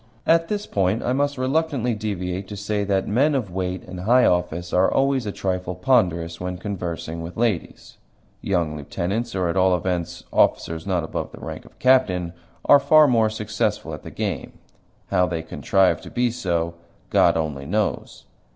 At this point I must reluctantly deviate to say that men of weight and high office are always a trifle ponderous when conversing with ladies. Young lieutenants or, at all events, officers not above the rank of captain are far more successful at the game. How they contrive to be so God only knows.